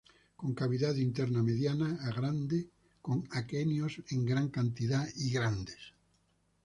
Con cavidad interna mediana a grande con aquenios en gran cantidad y grandes.